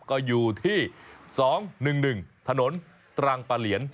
ก็อยู่ที่๒๑๑ถนนตรังปะเหลียน